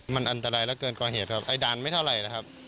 มันอันตรายแล้วเกินกว่าเหตุครับไอ้ด่านไม่เท่าไหร่นะครับ